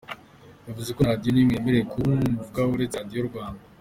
Yavuze ko nta radiyo n’imwe yemerewe kumvwa uretse radiyo Rwanda.